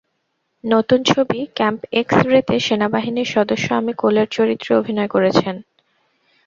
নতুন ছবি ক্যাম্প এক্স-রেতে সেনাবাহিনীর সদস্য অ্যামি কোলের চরিত্রে অভিনয় করেছেন।